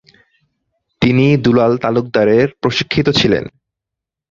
তিনি দুলাল তালুকদারের প্রশিক্ষিত ছিলেন।